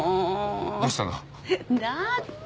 どうしたの？だって。